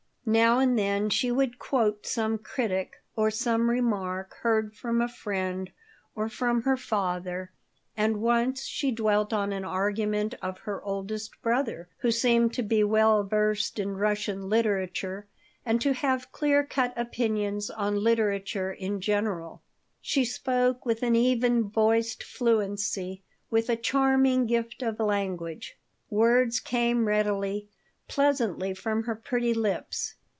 Now and then she would quote some critic, or some remark heard from a friend or from her father, and once she dwelt on an argument of her oldest brother, who seemed to be well versed in Russian literature and to have clear cut opinions on literature in general. She spoke with an even voiced fluency, with a charming gift of language. Words came readily, pleasantly from her pretty lips.